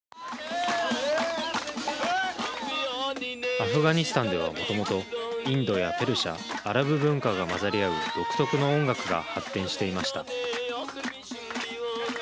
アフガニスタンではもともとインドやペルシャアラブ文化が混ざり合う独特の音楽が発展していました。